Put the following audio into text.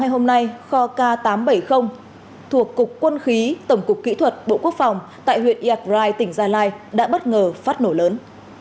hôm nay kho k tám trăm bảy mươi thuộc cục quân khí tổng cục kỹ thuật bộ quốc phòng tại huyện yagrai tỉnh gia lai đã bất ngờ phát nổ lớn